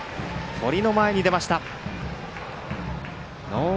堀の前に出ました。